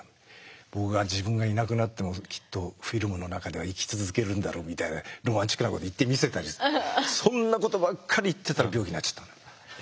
僕が自分がいなくなってもきっとフィルムの中では生き続けるんだろみたいなロマンチックなこと言ってみせたりそんなことばっかり言ってたら病気になっちゃった。